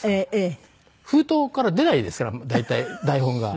封筒から出ないですから大体台本が。